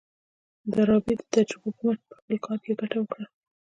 ډاربي د تجربو پر مټ په خپل کار کې ګټه وکړه.